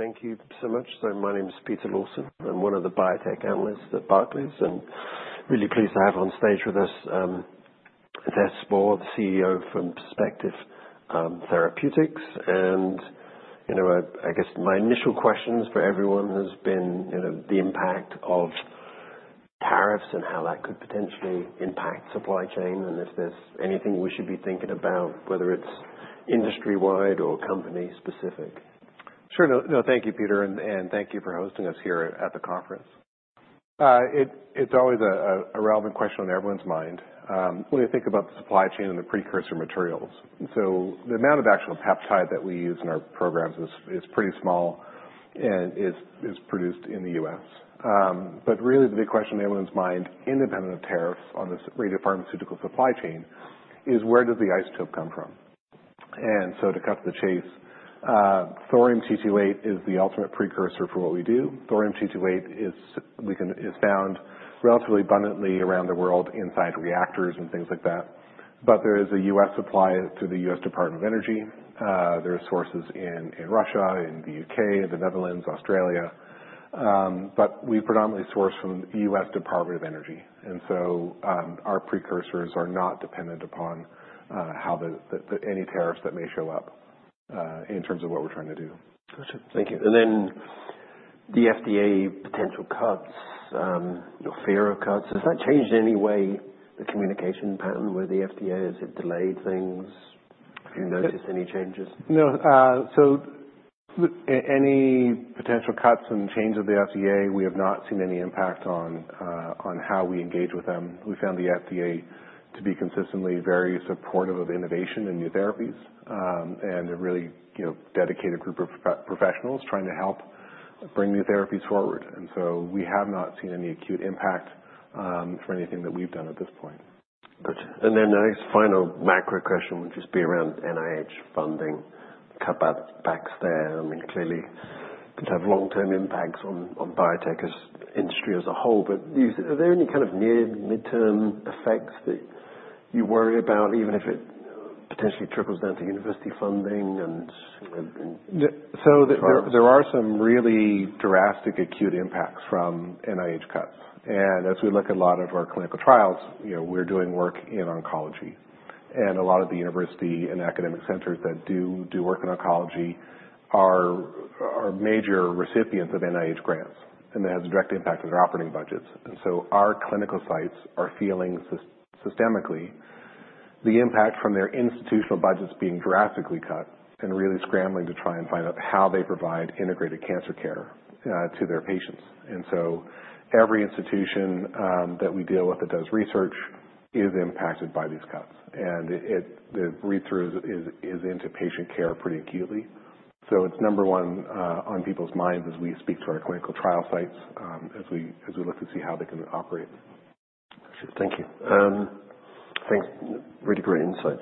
Thank you so much. My name is Peter Lawson. I'm one of the Biotech Analysts at Barclays, and really pleased to have on stage with us, Thijs Spoor, the CEO from Perspective Therapeutics. You know, I guess my initial questions for everyone have been, you know, the impact of tariffs and how that could potentially impact supply chain, and if there's anything we should be thinking about, whether it's industry-wide or company-specific. Sure. No, thank you, Peter, and thank you for hosting us here at the conference. It's always a relevant question on everyone's mind, when you think about the supply chain and the precursor materials. The amount of actual peptide that we use in our programs is pretty small and is produced in the U.S. Really the big question on everyone's mind, independent of tariffs on this radiopharmaceutical supply chain, is where does the isotope come from? To cut to the chase, thorium-228 is the ultimate precursor for what we do. Thorium-228 is found relatively abundantly around the world inside reactors and things like that. There is a U.S. supply through the U.S. Department of Energy. There are sources in Russia, in the U.K., the Netherlands, Australia. We predominantly source from the U.S. Department of Energy. Our precursors are not dependent upon any tariffs that may show up, in terms of what we're trying to do. Gotcha. Thank you. The FDA potential cuts, your fear of cuts, has that changed in any way the communication pattern with the FDA? Has it delayed things? Have you noticed any changes? No, so any potential cuts and change of the FDA, we have not seen any impact on how we engage with them. We found the FDA to be consistently very supportive of innovation and new therapies, and a really, you know, dedicated group of professionals trying to help bring new therapies forward. We have not seen any acute impact from anything that we've done at this point. Gotcha. The next final macro question would just be around NIH funding, cutbacks there. I mean, clearly, it could have long-term impacts on biotech industry as a whole. Are there any kind of near-mid-term effects that you worry about, even if it potentially trickles down to university funding and? There are some really drastic acute impacts from NIH cuts. As we look at a lot of our clinical trials, you know, we're doing work in oncology. A lot of the university and academic centers that do work in oncology are major recipients of NIH grants, and that has a direct impact on their operating budgets. Our clinical sites are feeling systemically the impact from their institutional budgets being drastically cut and really scrambling to try and find out how they provide integrated cancer care to their patients. Every institution that we deal with that does research is impacted by these cuts. The read-through is into patient care pretty acutely. It's number one on people's minds as we speak to our clinical trial sites, as we look to see how they can operate. Thank you. Thanks. Really great insight.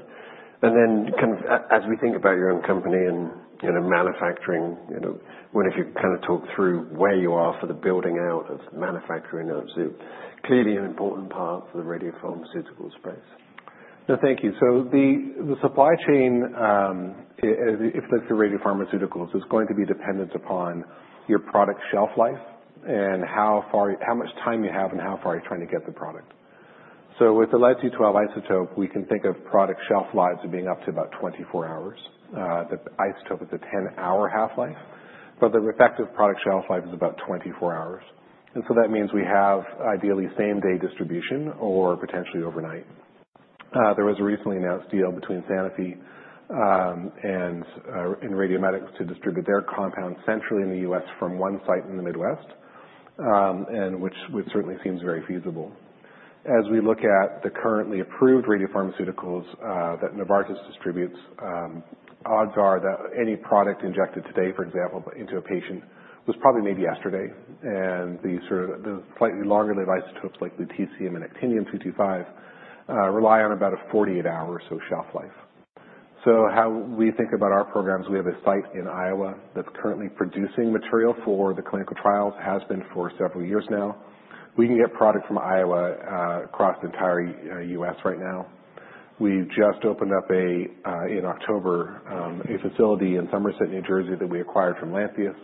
As we think about your own company and, you know, manufacturing, you know, I wonder if you could kind of talk through where you are for the building out of manufacturing. That is clearly an important part for the radio-pharmaceutical space. No, thank you. The supply chain, if it's radio-pharmaceuticals, is going to be dependent upon your product shelf life and how much time you have and how far you're trying to get the product. With the Lead-212 isotope, we can think of product shelf lives being up to about 24 hours. The isotope is a 10-hour half-life, but the effective product shelf life is about 24 hours. That means we have ideally same-day distribution or potentially overnight. There was a recently announced deal between Sanofi and RadioMedix to distribute their compound centrally in the US from one site in the Midwest, which certainly seems very feasible. As we look at the currently approved radio-pharmaceuticals that Novartis distributes, odds are that any product injected today, for example, into a patient was probably made yesterday. The sort of the slightly longer-lived isotopes, like the Lutetium and Actinium-225, rely on about a 48-hour or so shelf life. How we think about our programs, we have a site in Iowa that's currently producing material for the clinical trials, has been for several years now. We can get product from Iowa, across the entire U.S. right now. We just opened up, in October, a facility in Somerset, New Jersey, that we acquired from Lantheus.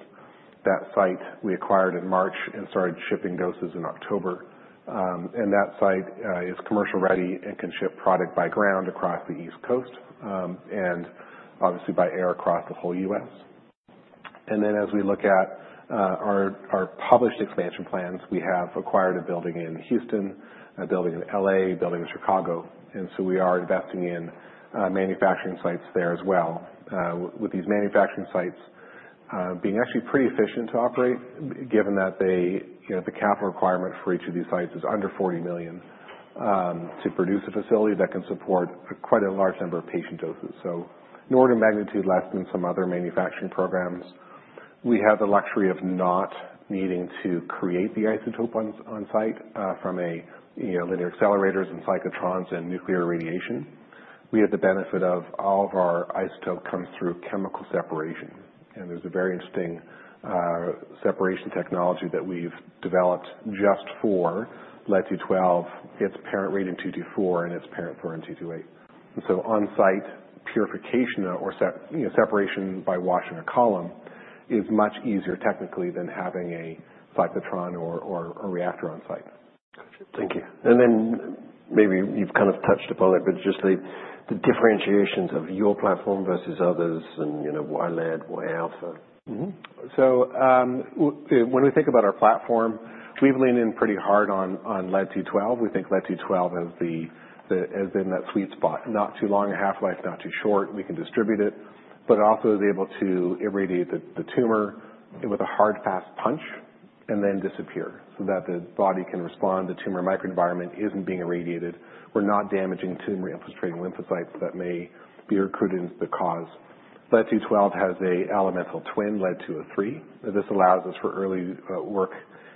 That site we acquired in March and started shipping doses in October. That site is commercial-ready and can ship product by ground across the East Coast, and obviously by air across the whole U.S. As we look at our published expansion plans, we have acquired a building in Houston, a building in Los Angeles, a building in Chicago. We are investing in manufacturing sites there as well. With these manufacturing sites, being actually pretty efficient to operate, given that they, you know, the capital requirement for each of these sites is under $40 million, to produce a facility that can support quite a large number of patient doses. In order of magnitude less than some other manufacturing programs, we have the luxury of not needing to create the isotope on-site, from a, you know, linear accelerators and cyclotrons and nuclear radiation. We have the benefit of all of our isotope comes through chemical separation. There is a very interesting separation technology that we've developed just for Lead-212, its parent Radium-224 and its parent thorium-228. On-site purification or separation by washing a column is much easier technically than having a cyclotron or a reactor on-site. Gotcha. Thank you. Maybe you've kind of touched upon it, but just the differentiations of your platform versus others and, you know, why Lead, why Alpha? Mm-hmm. When we think about our platform, we've leaned in pretty hard on Lead-212. We think Lead-212 is in that sweet spot. Not too long, half-life, not too short. We can distribute it, but also is able to irradiate the tumor with a hard fast punch and then disappear so that the body can respond. The tumor microenvironment isn't being irradiated. We're not damaging tumor infiltrating lymphocytes that may be recruited into the cause. Lead-212 has an elemental twin, Lead-203. This allows us for early work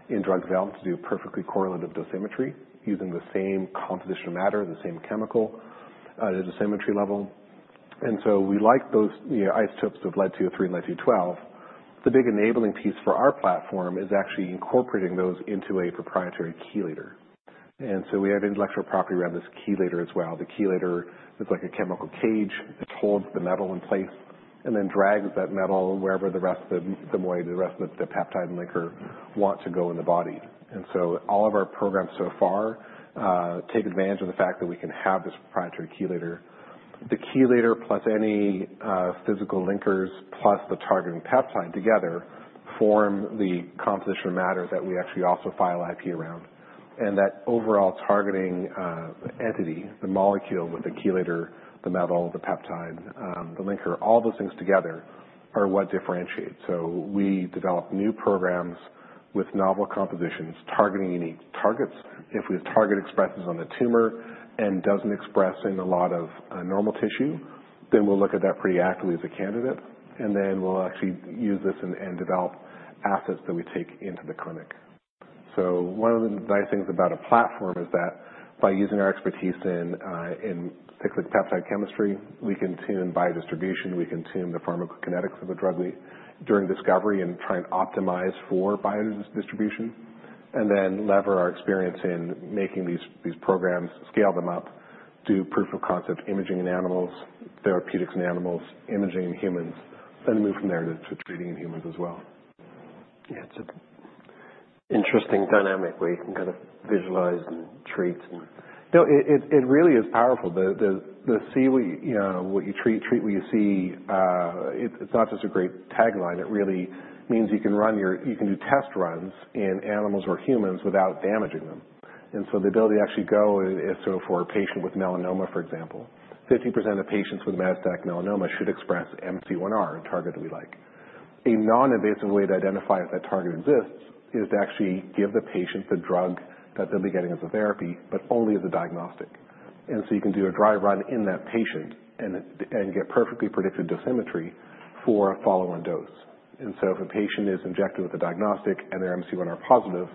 in drug development to do perfectly correlative dosimetry using the same composition of matter, the same chemical at a dosimetry level. We like those isotopes of Lead-212 and Lead-203. The big enabling piece for our platform is actually incorporating those into a proprietary chelator. We have intellectual property around this chelator as well. The chelator is like a chemical cage. It holds the metal in place and then drags that metal wherever the rest of the moiety, the rest of the peptide linker wants to go in the body. All of our programs so far take advantage of the fact that we can have this proprietary chelator. The chelator plus any physical linkers plus the targeting peptide together form the composition of matter that we actually also file IP around. That overall targeting entity, the molecule with the chelator, the metal, the peptide, the linker, all those things together are what differentiate. We develop new programs with novel compositions targeting unique targets. If we have target expresses on the tumor and doesn't express in a lot of normal tissue, then we'll look at that pretty actively as a candidate. We will actually use this and develop assets that we take into the clinic. One of the nice things about a platform is that by using our expertise in things like peptide chemistry, we can tune biodistribution. We can tune the pharmacokinetics of the drug during discovery and try and optimize for biodistribution. We lever our experience in making these programs, scale them up, do proof of concept imaging in animals, therapeutics in animals, imaging in humans, and then move from there to treating in humans as well. Yeah. It's an interesting dynamic where you can kind of visualize and treat. No, it really is powerful. The see what you treat, treat what you see, it's not just a great tagline. It really means you can run your, you can do test runs in animals or humans without damaging them. The ability to actually go, if so for a patient with melanoma, for example, 50% of patients with metastatic melanoma should express MC1R, a target that we like. A non-invasive way to identify if that target exists is to actually give the patient the drug that they'll be getting as a therapy, but only as a diagnostic. You can do a dry run in that patient and get perfectly predicted dosimetry for a follow-on dose. If a patient is injected with a diagnostic and they're MC1R positive,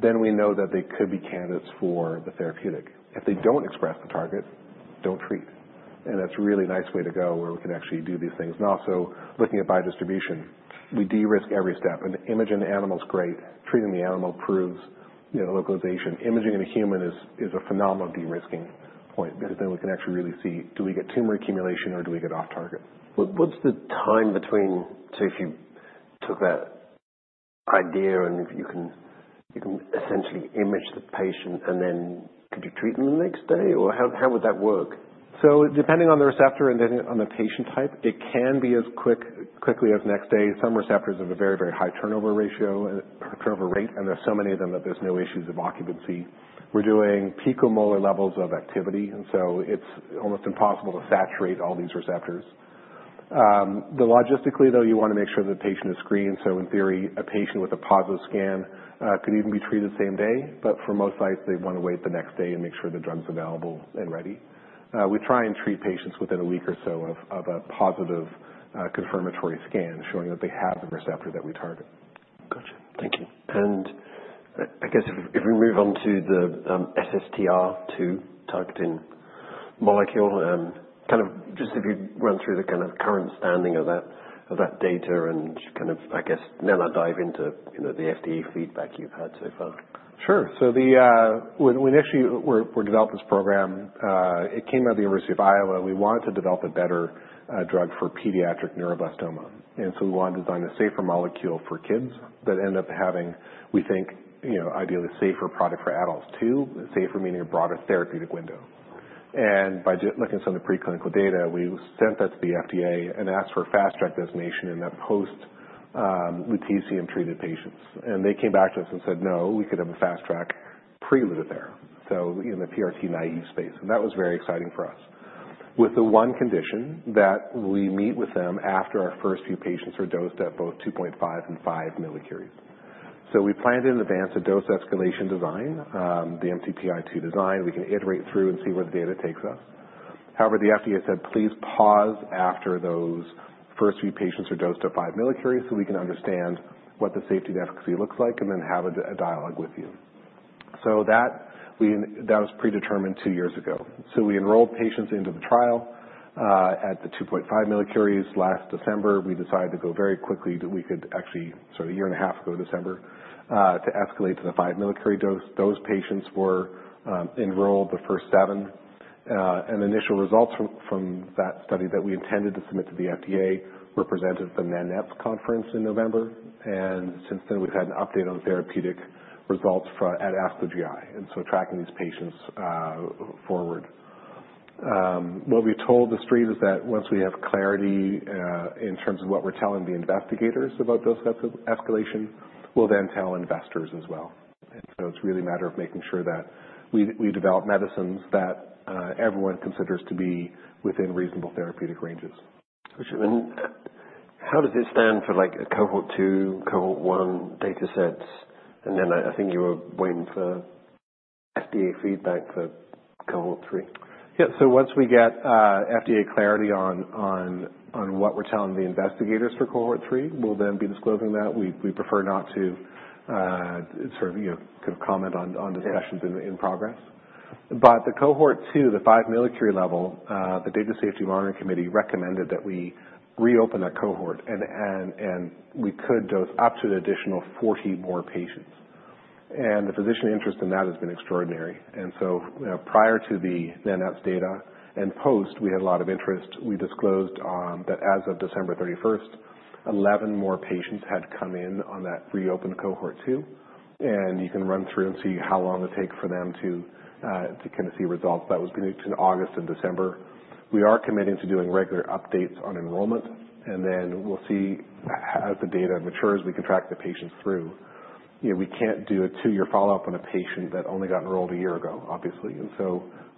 then we know that they could be candidates for the therapeutic. If they don't express the target, don't treat. That's a really nice way to go where we can actually do these things. Also, looking at biodistribution, we de-risk every step. Imaging the animal is great. Treating the animal proves, you know, localization. Imaging in a human is a phenomenal de-risking point because then we can actually really see, do we get tumor accumulation or do we get off target? What's the time between, so if you took that idea and if you can essentially image the patient, and then could you treat them the next day, or how would that work? Depending on the receptor and depending on the patient type, it can be as quickly as next day. Some receptors have a very, very high turnover ratio, turnover rate, and there's so many of them that there's no issues of occupancy. We're doing picomolar levels of activity, and so it's almost impossible to saturate all these receptors. Logistically, though, you want to make sure that the patient is screened. In theory, a patient with a positive scan could even be treated the same day. For most sites, they want to wait the next day and make sure the drug's available and ready. We try and treat patients within a week or so of a positive, confirmatory scan showing that they have the receptor that we target. Gotcha. Thank you. I guess if we move on to the SSTR2 targeting molecule, just if you run through the current standing of that, of that data and now dive into, you know, the FDA feedback you've had so far. Sure. When we actually were developing this program, it came out of the University of Iowa. We wanted to develop a better drug for pediatric neuroblastoma. We wanted to design a safer molecule for kids that ended up having, we think, you know, ideally a safer product for adults too, safer meaning a broader therapeutic window. By looking at some of the preclinical data, we sent that to the FDA and asked for a fast track designation in that post-lutetium treated patients. They came back to us and said, "No, we could have a fast track pre-Lutetium there." In the PRT naive space, that was very exciting for us both with the one condition that we meet with them after our first few patients are dosed at 2.5 and 5 millicuries. We planned in advance a dose escalation design, the mTPI-2 design. We can iterate through and see where the data takes us. However, the FDA said, "Please pause after those first few patients are dosed at 5 millicuries so we can understand what the safety and efficacy looks like and then have a dialogue with you." That was predetermined two years ago. We enrolled patients into the trial at the 2.5 millicuries last December. We decided very quickly that we could actually, sort of a year and a half ago in December, escalate to the 5 millicurie dose. Those patients were enrolled, the first seven. Initial results from that study that we intended to submit to the FDA were presented at the NANETS conference in November. Since then, we've had an update on therapeutic results at ASCO GI. Tracking these patients forward, what we've told the street is that once we have clarity in terms of what we're telling the investigators about those types of escalation, we'll then tell investors as well. It is really a matter of making sure that we develop medicines that everyone considers to be within reasonable therapeutic ranges. Gotcha. How does it stand for like a cohort two, cohort one data sets? I think you were waiting for FDA feedback for cohort three. Yeah. Once we get FDA clarity on what we're telling the investigators for cohort three, we'll then be disclosing that. We prefer not to, sort of, you know, kind of comment on discussions in progress. The cohort two, the 5 millicurie level, the Data Safety Monitoring Committee recommended that we reopen that cohort and we could dose up to an additional 40 more patients. The physician interest in that has been extraordinary. Prior to the NANETS data and post, we had a lot of interest. We disclosed that as of December 31, 11 more patients had come in on that reopened cohort two. You can run through and see how long it takes for them to kind of see results. That was between August and December. We are committing to doing regular updates on enrollment. We will see as the data matures, we can track the patients through. You know, we can't do a two-year follow-up on a patient that only got enrolled a year ago, obviously.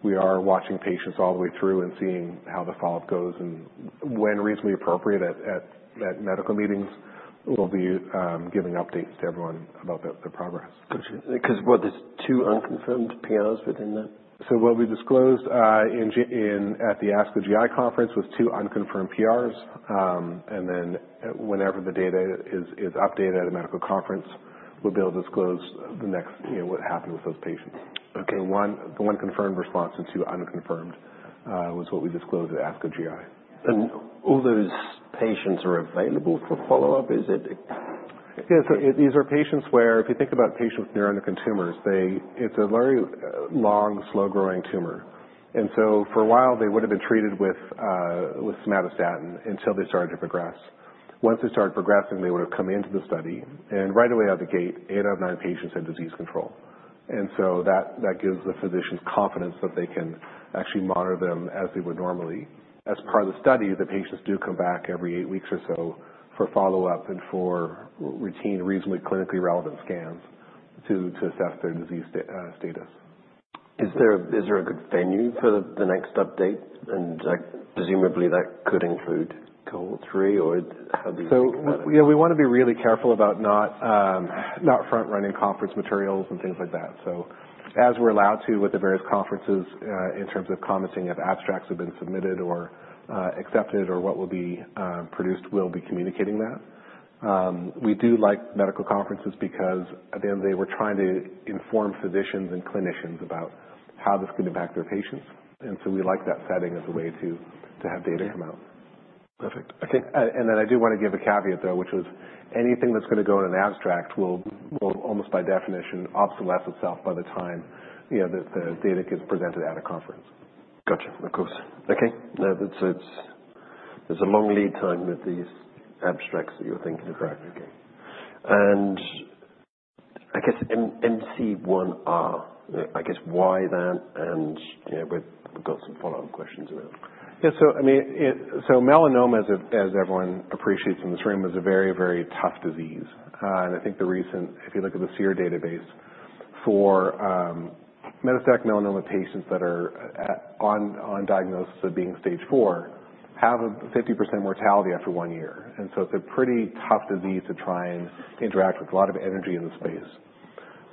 We are watching patients all the way through and seeing how the follow-up goes and when reasonably appropriate at medical meetings. We'll be giving updates to everyone about the progress. Gotcha. Because what, there's two unconfirmed PRs within that? What we disclosed at the ASCO GI conference was two unconfirmed PRs, and then whenever the data is updated at a medical conference, we'll be able to disclose the next, you know, what happened with those patients. Okay. The one, the one confirmed response and two unconfirmed, was what we disclosed at ASCO GI. All those patients are available for follow-up, is it? Yeah. These are patients where if you think about patients with neuroendocrine tumors, it's a very long, slow-growing tumor. For a while, they would have been treated with somatostatin until they started to progress. Once they started progressing, they would have come into the study. Right away out of the gate, eight out of nine patients had disease control. That gives the physicians confidence that they can actually monitor them as they would normally. As part of the study, the patients do come back every eight weeks or so for follow-up and for routine, reasonably clinically relevant scans to assess their disease status. Is there a good venue for the next update? Presumably that could include cohort three or how do you? Yeah, we want to be really careful about not front-running conference materials and things like that. As we're allowed to with the various conferences, in terms of commenting if abstracts have been submitted or accepted or what will be produced, we'll be communicating that. We do like medical conferences because at the end of the day, we're trying to inform physicians and clinicians about how this could impact their patients. We like that setting as a way to have data come out. Perfect. Okay. I do want to give a caveat though, which was anything that's going to go in an abstract will, will almost by definition obsolescence itself by the time, you know, that the data gets presented at a conference. Gotcha. Of course. Okay. It's, there's a long lead time with these abstracts that you're thinking of. Correct. Okay. I guess MC1R, I guess why that and, you know, we've got some follow-up questions around. Yeah. I mean, melanoma, as everyone appreciates in this room, is a very, very tough disease. I think the recent, if you look at the SEER database for metastatic melanoma patients that are on diagnosis of being stage four have a 50% mortality after one year. It is a pretty tough disease to try and interact with a lot of energy in the space.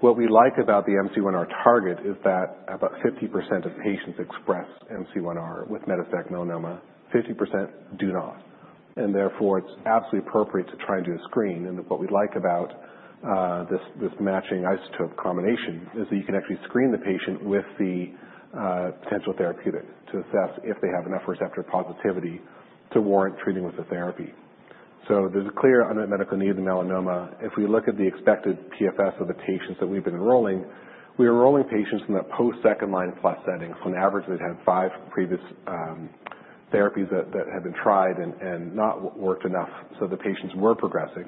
What we like about the MC1R target is that about 50% of patients express MC1R with metastatic melanoma, 50% do not. Therefore, it is absolutely appropriate to try and do a screen. What we like about this matching isotope combination is that you can actually screen the patient with the potential therapeutic to assess if they have enough receptor positivity to warrant treating with the therapy. There is a clear unmet medical need in melanoma. If we look at the expected PFS of the patients that we've been enrolling, we're enrolling patients in that post-second line plus setting when on average they'd had five previous therapies that had been tried and not worked enough. The patients were progressing.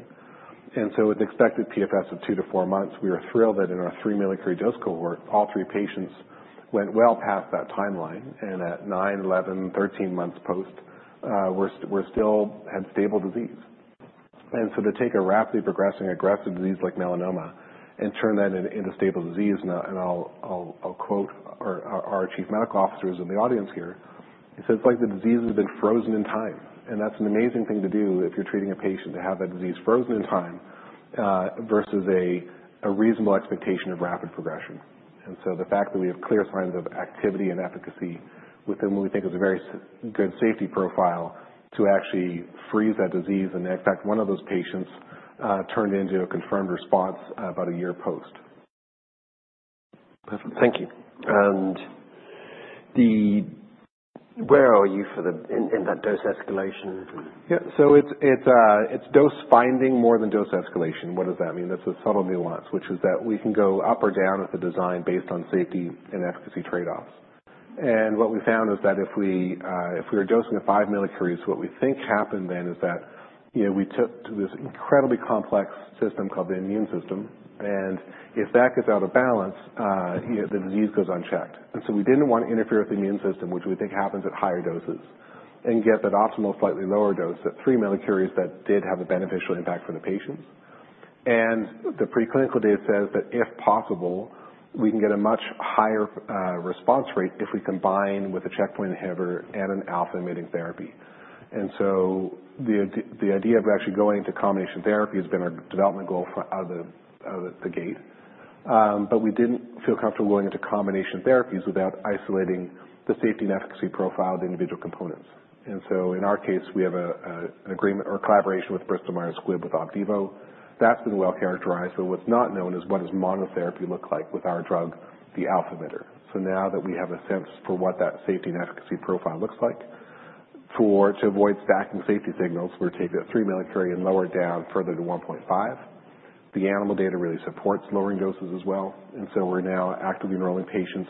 With the expected PFS of two to four months, we were thrilled that in our three millicurie dose cohort, all three patients went well past that timeline. At nine, eleven, thirteen months post, we still had stable disease. To take a rapidly progressing aggressive disease like melanoma and turn that into stable disease, and I'll quote our Chief Medical Officer in the audience here. He said, "It's like the disease has been frozen in time." That's an amazing thing to do if you're treating a patient, to have that disease frozen in time, versus a reasonable expectation of rapid progression. The fact that we have clear signs of activity and efficacy within what we think is a very good safety profile to actually freeze that disease. In fact, one of those patients turned into a confirmed response about a year post. Perfect. Thank you. Where are you for the, in that dose escalation? Yeah. It's dose finding more than dose escalation. What does that mean? That's a subtle nuance, which is that we can go up or down with the design based on safety and efficacy trade-offs. What we found is that if we were dosing at 5 millicuries, what we think happened then is that, you know, we took this incredibly complex system called the immune system. If that gets out of balance, you know, the disease goes unchecked. We did not want to interfere with the immune system, which we think happens at higher doses, and get that optimal slightly lower dose at 3 millicuries that did have a beneficial impact for the patients. The preclinical data says that if possible, we can get a much higher response rate if we combine with a checkpoint inhibitor and an alpha-emitting therapy. The idea of actually going into combination therapy has been our development goal from out of the gate. We did not feel comfortable going into combination therapies without isolating the safety and efficacy profile of the individual components. In our case, we have an agreement or collaboration with Bristol Myers Squibb with Opdivo. That has been well characterized. What is not known is what monotherapy looks like with our drug, the alpha-emitter. Now that we have a sense for what that safety and efficacy profile looks like, to avoid stacking safety signals, we are taking that 3 millicurie and lowering it down further to 1.5. The animal data really supports lowering doses as well. We are now actively enrolling patients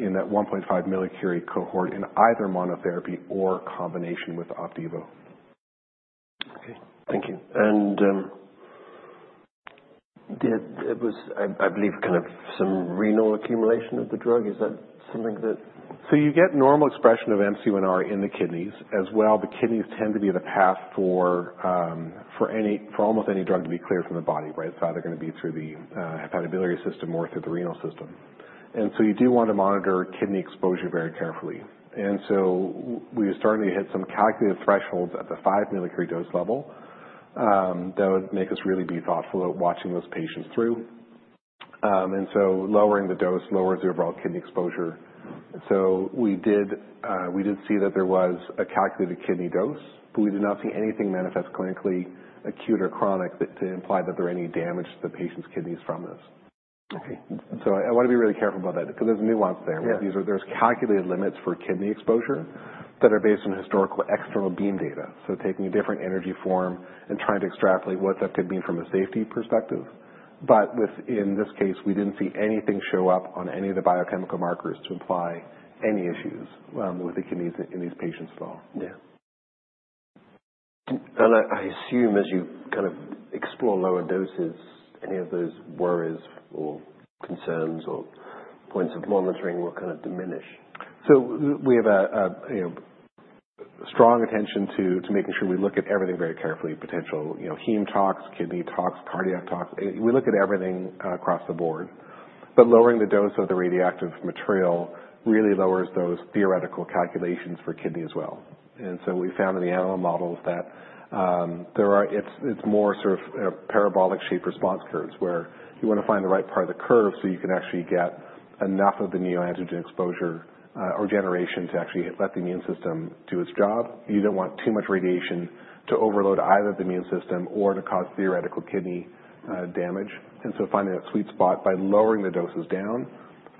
in that 1.5 millicurie cohort in either monotherapy or combination with Opdivo. Okay. Thank you. Did it was, I believe, kind of some renal accumulation of the drug. Is that something that? You get normal expression of MC1R in the kidneys as well. The kidneys tend to be the path for, for any, for almost any drug to be cleared from the body, right? It's either going to be through the hepatobiliary system or through the renal system. You do want to monitor kidney exposure very carefully. We are starting to hit some calculated thresholds at the 5 millicurie dose level, that would make us really be thoughtful about watching those patients through. Lowering the dose lowers the overall kidney exposure. We did see that there was a calculated kidney dose, but we did not see anything manifest clinically acute or chronic to imply that there is any damage to the patient's kidneys from this. Okay. I want to be really careful about that because there's a nuance there. These are, there's calculated limits for kidney exposure that are based on historical external beam data. Taking a different energy form and trying to extrapolate what that could mean from a safety perspective. In this case, we didn't see anything show up on any of the biochemical markers to imply any issues with the kidneys in these patients at all. Yeah. I assume as you kind of explore lower doses, any of those worries or concerns or points of monitoring will kind of diminish. We have a, you know, strong attention to making sure we look at everything very carefully, potential, you know, heme tox, kidney tox, cardiac tox. We look at everything across the board. Lowering the dose of the radioactive material really lowers those theoretical calculations for kidney as well. We found in the animal models that there are, it's, it's more sort of parabolic shape response curves where you want to find the right part of the curve so you can actually get enough of the neoantigen exposure, or generation to actually let the immune system do its job. You don't want too much radiation to overload either the immune system or to cause theoretical kidney damage. Finding that sweet spot by lowering the doses down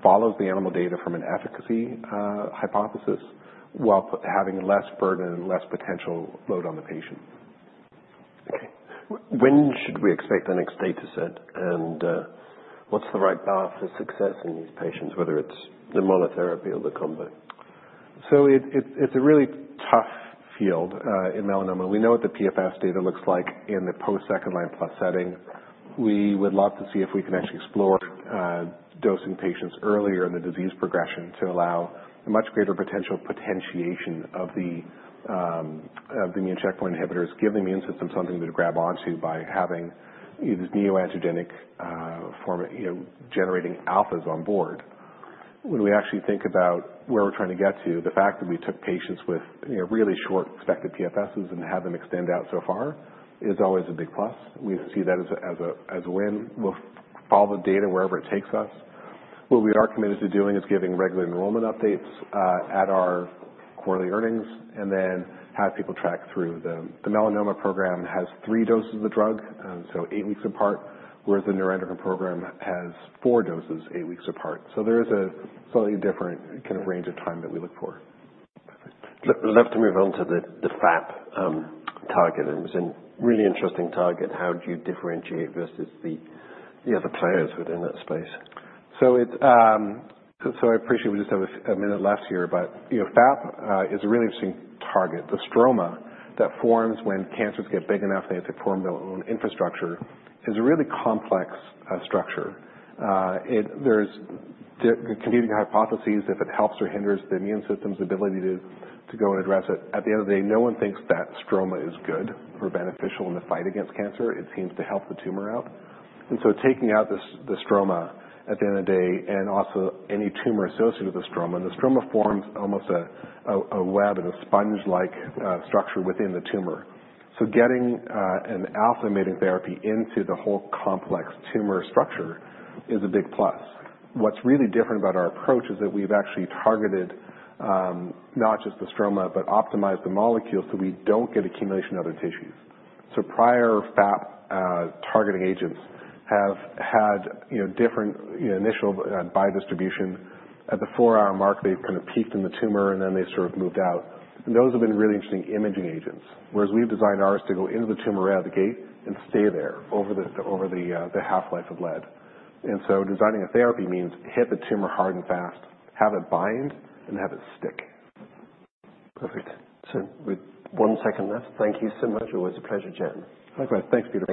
follows the animal data from an efficacy hypothesis while having less burden and less potential load on the patient. Okay. When should we expect the next data set? What's the right path for success in these patients, whether it's the monotherapy or the combo? It's a really tough field, in melanoma. We know what the PFS data looks like in the post-second line plus setting. We would love to see if we can actually explore dosing patients earlier in the disease progression to allow a much greater potential potentiation of the immune checkpoint inhibitors, give the immune system something to grab onto by having these neoantigenic, you know, generating alphas on board. When we actually think about where we're trying to get to, the fact that we took patients with, you know, really short expected PFSs and have them extend out so far is always a big plus. We see that as a win. We'll follow the data wherever it takes us. What we are committed to doing is giving regular enrollment updates, at our quarterly earnings. Then have people track through the, the melanoma program has three doses of the drug, eight weeks apart, whereas the neuroendocrine program has four doses eight weeks apart. There is a slightly different kind of range of time that we look for. Perfect. Let me move on to the FAP target. It was a really interesting target. How do you differentiate versus the other players within that space? I appreciate we just have a minute left here, but, you know, FAP is a really interesting target. The stroma that forms when cancers get big enough, they have to form their own infrastructure, is a really complex structure. There's the competing hypotheses if it helps or hinders the immune system's ability to go and address it. At the end of the day, no one thinks that stroma is good or beneficial in the fight against cancer. It seems to help the tumor out. Taking out the stroma at the end of the day and also any tumor associated with the stroma, and the stroma forms almost a web and a sponge-like structure within the tumor. Getting an alpha-emitting therapy into the whole complex tumor structure is a big plus. What's really different about our approach is that we've actually targeted, not just the stroma, but optimized the molecule so we don't get accumulation in other tissues. Prior FAP targeting agents have had, you know, different, you know, initial biodistribution. At the four-hour mark, they've kind of peaked in the tumor and then they sort of moved out. Those have been really interesting imaging agents, whereas we've designed ours to go into the tumor right out of the gate and stay there over the, over the, the half-life of lead. Designing a therapy means hit the tumor hard and fast, have it bind, and have it stick. Perfect. With one second left, thank you so much. It was a pleasure, Thijs. Likewise. Thanks, Peter.